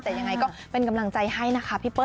แต่ยังไงก็เป็นกำลังใจให้นะคะพี่เปิ้